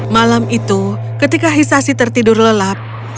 malam itu ketika hisasi tertidur lelap